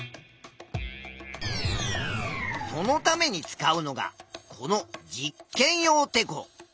そのために使うのがこの「実験用てこ」。